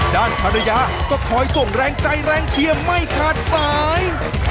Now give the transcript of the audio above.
ด้านภรรยาก็คอยส่งแรงใจแรงเชียร์ไม่ขาดสาย